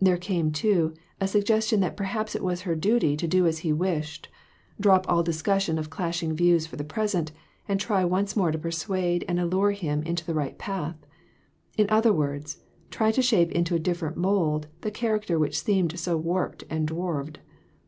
There came, too, a suggestion that perhaps it was her duty to do as he wished, drop all discussion of clashing views for the present, and try once more to persuade and allure him into the right path ; in other words, try to shape into a different mold the char acter which seemed so warped and dwarfed.